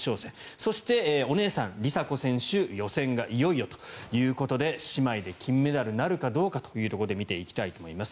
そして、お姉さんの梨紗子選手予選がいよいよということで姉妹で金メダルなるかどうかというところで見ていきたいと思います。